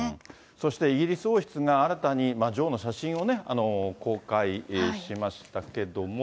そしてイギリス王室が新たに女王の写真をね、公開しましたけども。